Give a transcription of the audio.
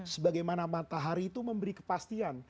sebagaimana matahari itu memberi kepastian